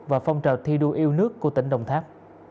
và phong trào thi đua yêu nước của tỉnh đồng tháp